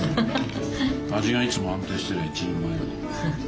味がいつも安定してりゃ一人前だ。